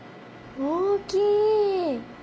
大きい！